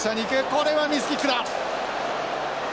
これはミスキックだ。